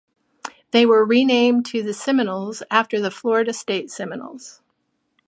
They were renamed to the Seminoles after the Florida State Seminoles.